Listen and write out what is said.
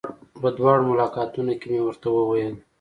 په دواړو ملاقاتونو کې مې ورته وويل.